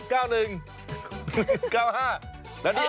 แล้วนี่เป็นอะไรเนี่ย